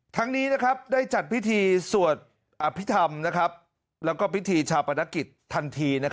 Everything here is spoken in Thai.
ทั้งนี้ได้จัดพิธีสวดอภิษฐรรมแล้วก็พิธีชาปนกิจทันที